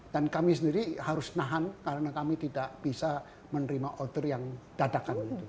dan kami sendiri harus nahan karena kami tidak bisa menerima order yang dadakan